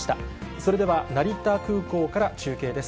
それでは成田空港から中継です。